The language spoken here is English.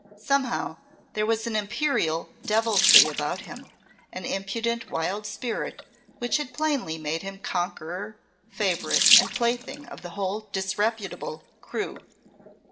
Somehow there was an imperial deviltry about him, an impudent wild spirit which had plainly made him conqueror, favourite, and plaything of the whole disreputable crew.